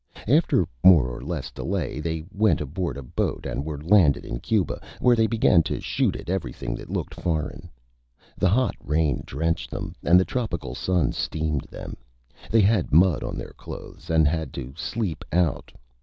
After more or less Delay they went aboard a Boat, and were landed in Cuba, where they began to Shoot at everything that looked Foreign. The hot Rain drenched them, and the tropical Sun steamed them; they had Mud on their clothes, and had to sleep out.